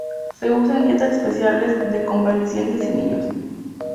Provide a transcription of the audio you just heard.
Se usa en dietas especiales de convalecientes y niños.